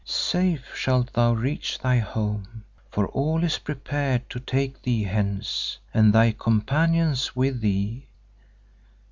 Safe shalt thou reach thy home, for all is prepared to take thee hence, and thy companions with thee.